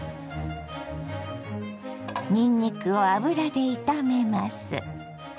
にんにくを油で炒めます。